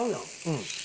うん。